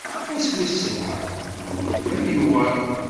Ass wis sebɛa, lmuqeddem ad yuɣal.